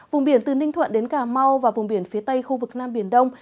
vùng biển từ ninh thuận đến cà mau và vùng biển phía tây khu vực nam biển đông